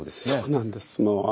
そうなんです。